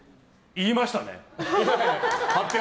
言いましたね！